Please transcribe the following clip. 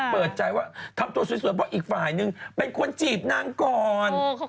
เปิดใจว่าทำตัวสวยเพราะอีกฝ่ายนึงเป็นคนจีบนางก่อน